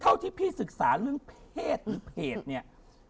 เท่าที่พี่ศึกษาเรื่องเพศหรือเพจเนี่ย